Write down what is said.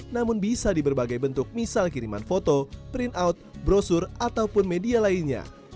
namun bisa di berbagai bentuk misal kiriman foto print out brosur ataupun media lainnya